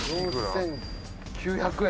４，９００円。